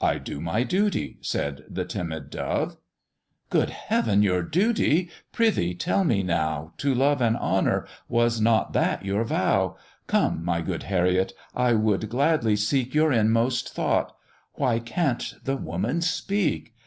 "I do my duty," said the timid dove; "Good Heav'n, your duty! prithee, tell me now To love and honour was not that your vow? Come, my good Harriet, I would gladly seek Your inmost thought Why can't the woman speak?